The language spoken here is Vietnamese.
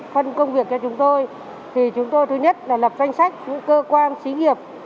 phân công việc cho chúng tôi thì chúng tôi thứ nhất là lập danh sách những cơ quan xí nghiệp